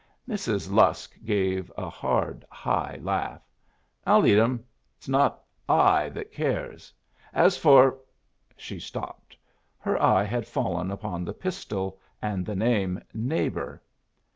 Mrs. Lusk gave a hard high laugh. "I'll eat 'em. It's not I that cares. As for " She stopped. Her eye had fallen upon the pistol and the name "Neighbor."